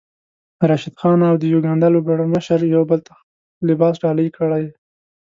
راشد خان او د يوګاندا لوبډلمشر يو بل ته خپل لباس ډالۍ کړی